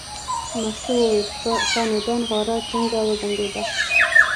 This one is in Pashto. مستو وویل ښه نو دا نغاره څنګه وډنګېده.